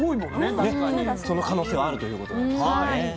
その可能性はあるということなんですよね。